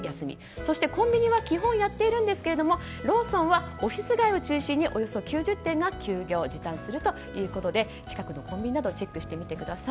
そしてコンビニは基本やっていますがローソンはオフィス街を中心におよそ９０店が休業時短するということで近くのコンビニなどチェックしてみてください。